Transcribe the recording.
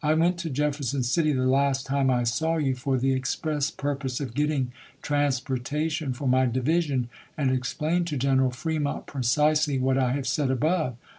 1 went to Jefferson City, the last time I saw you, for the express purpose of getting transportation for my division, and explained to General Fremont precisely what I have said above.